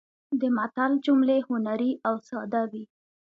د متل جملې هنري او ساده وي